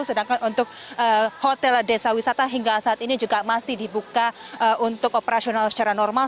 sedangkan untuk hotel desa wisata hingga saat ini juga masih dibuka untuk operasional secara normal